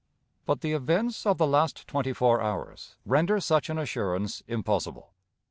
But the events of the last twenty four hours render such an assurance impossible.